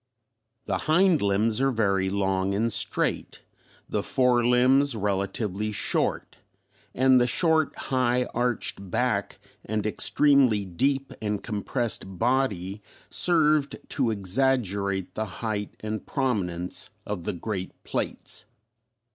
The hind limbs are very long and straight, the fore limbs relatively short, and the short high arched back and extremely deep and compressed body served to exaggerate the height and prominence of the great plates.